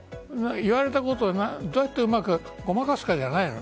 言われたことをどうやってうまくごまかすかじゃない。